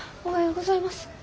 おはようございます。